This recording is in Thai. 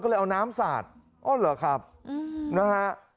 ก็เลยเอาน้ำสาดออกแหวะครับน้าฮะ